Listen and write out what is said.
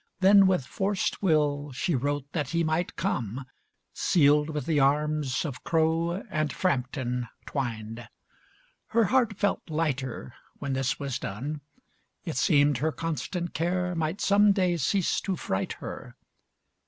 Then with forced will She wrote that he might come, sealed with the arms Of Crowe and Frampton twined. Her heart felt lighter When this was done. It seemed her constant care Might some day cease to fright her.